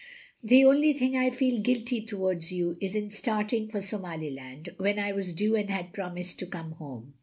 ... The only thing I feel guilty towards you is in starting for Somaliland when I was due and had promised to come home.